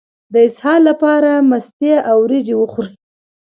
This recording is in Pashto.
د اسهال لپاره مستې او وریجې وخورئ